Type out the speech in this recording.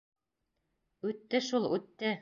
Үтте шул, үтте.